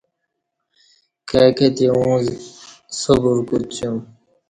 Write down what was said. کائی کتی اوں صبرکوڅیوم